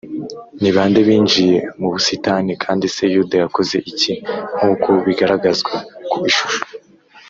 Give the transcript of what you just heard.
Ni bande binjiye mu busitani kandi se Yuda yakoze iki nk uko bigaragazwa ku ishusho